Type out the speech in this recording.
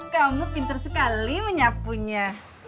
kamu pinter sekali menyapunya